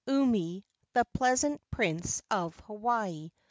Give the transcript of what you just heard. UMI, THE PEASANT PRINCE OF HAWAII.